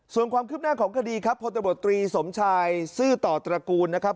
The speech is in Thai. ส่วนความคืบหน้าของคดีครับพลตบตรีสมชายซื่อต่อตระกูลนะครับ